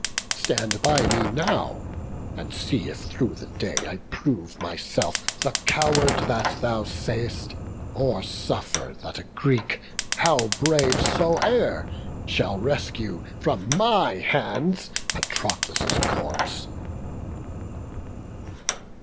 Stand by me now, and see if through the day I prove myself the coward that thou say'st, Or suffer that a Greek, how brave soe'er, Shall rescue from my hands Patroclus' corpse."